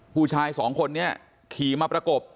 ผู้ชายสองคนนี้ขี่มาประกบ